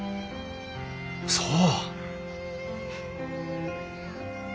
そう！